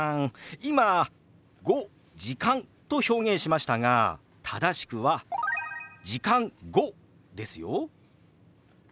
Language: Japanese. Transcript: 今「５時間」と表現しましたが正しくは「時間５」ですよ。